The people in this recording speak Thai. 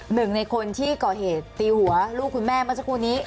หนึ่งในคนที่ก่อเหตุตีหัวลูกคุณแม่เมื่อสักครู่นี้